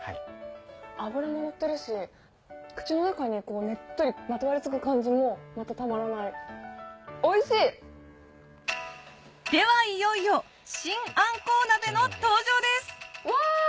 脂ものってるし口の中にねっとりまとわり付く感じもまたたまらないおいしい！ではいよいよ新あんこう鍋の登場ですうわ！